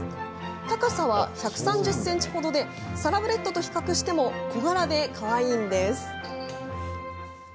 高さは１３０ｃｍほどでサラブレッドと比較しても小柄でかわいいんです。